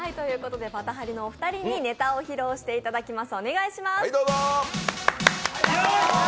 バタハリのお二人にネタを披露していただきます。